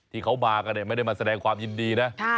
ที่เขามากันไม่ได้มาแสดงความยินดีนะ